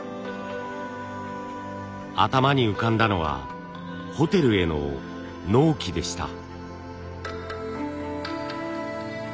頭に浮かんだのはホテルへの納期でした。